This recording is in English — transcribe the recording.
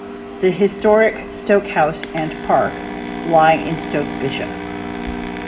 The historic Stoke House and Park lie in Stoke Bishop.